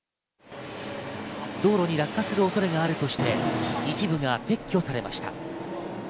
道路に落下する恐れがあるとして、一部が撤去されました。